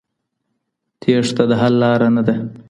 تېښته د حل لار نه ده.